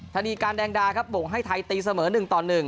ธนีการแดงดาครับบ่งให้ไทยตีเสมอ๑ต่อ๑